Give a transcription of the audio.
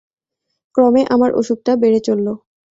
ক্রমে আমার অসুখটা বেড়ে চলল।